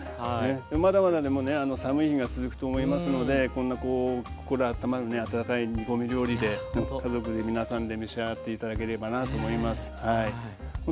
まだまだでもね寒い日が続くと思いますのでこんなこう心あったまるね温かい煮込み料理で家族で皆さんで召し上がって頂ければなと思います